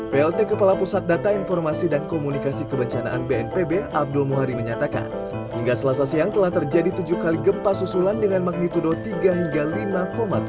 plt kepala pusat data informasi dan komunikasi kebencanaan bnpb abdul muhari menyatakan hingga selasa siang telah terjadi tujuh kali gempa susulan dengan magnitudo tiga hingga lima tiga